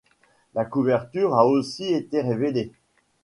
La couverture a aussi été révélée.